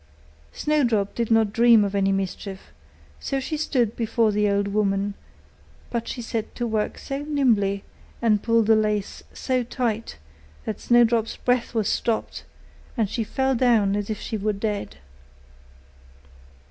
Snowdrop did not dream of any mischief; so she stood before the old woman; but she set to work so nimbly, and pulled the lace so tight, that Snowdrop's breath was stopped, and she fell down as if she were dead.